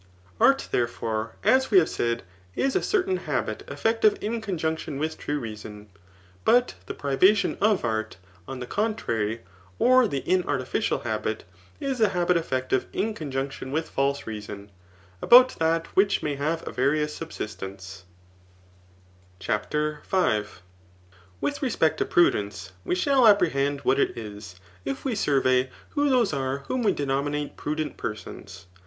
Art, therefore, as we have said, is a certain habit effective in conjunction with true reason. But the privation of art, on the contrary [or the inartificial habit,] is a habit effective in conjunction with hlse reason, about that which may have a various subsistence. Digitized by Google CHAP. V* JJTHICS. 217 CHAPTER V. With r6q>ect to prudence, we shall apprehend what It is, if we survey who those are whom we denominate prudent persons.